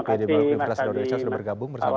pdiw universitas indonesia sudah bergabung bersama